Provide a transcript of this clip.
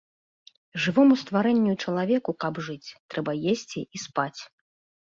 Жывому стварэнню і чалавеку каб жыць, трэба есці і спаць.